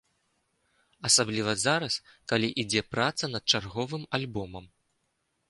Асабліва зараз, калі ідзе праца над чарговым альбомам.